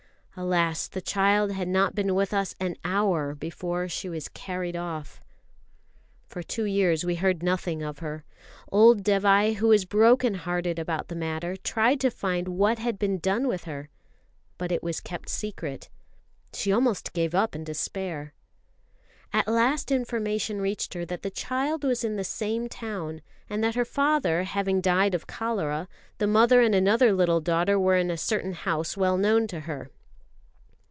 Alas, the child had not been with us an hour before she was carried off. For two years we heard nothing of her. Old Dévai, who was broken hearted about the matter, tried to find what had been done with her, but it was kept secret. She almost gave up in despair. At last information reached her that the child was in the same town; and that her father having died of cholera, the mother and another little daughter were in a certain house well known to her.